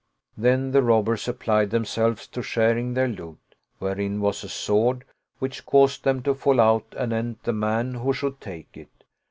" Then the robbers applied themselves to sharing their loot wherein was a sword which caused them to fall out anent the man who should take it.